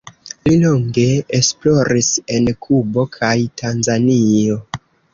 Li longe esploris en Kubo kaj Tanzanio.